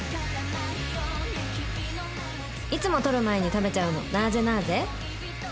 「いつも撮る前に食べちゃうのなぁぜなぁぜ？」